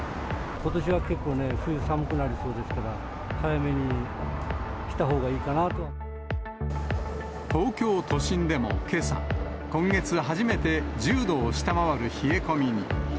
ことしは結構ね、冬、寒くなりそうですから、東京都心でもけさ、今月初めて１０度を下回る冷え込みに。